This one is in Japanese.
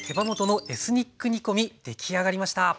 出来上がりました。